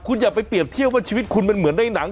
คุณอย่าไปเปรียบเทียบว่าชีวิตคุณมันเหมือนในหนัง